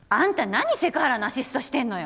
なにセク原のアシストしてんのよ